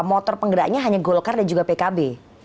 motor penggeraknya hanya golkar dan juga pkb